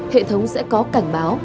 hệ thống sẽ có cảnh báo